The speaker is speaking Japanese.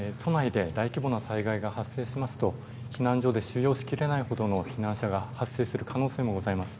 都内で大規模な災害が発生しますと、避難所で収容しきれないほどの避難者が発生する可能性がございます。